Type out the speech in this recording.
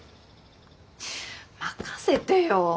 任せてよ！